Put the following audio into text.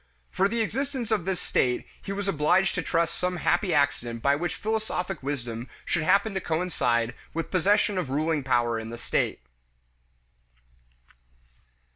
For the existence of this state he was obliged to trust to some happy accident by which philosophic wisdom should happen to coincide with possession of ruling power in the state.